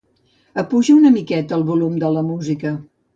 Apuja una miqueta el volum de la música.